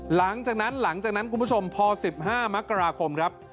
หลังจากนั้นหลังจากนั้นคุณผู้ชมพอ๑๕มกราคมครับ